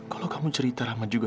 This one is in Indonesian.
kalau kamu cerita rahmat juga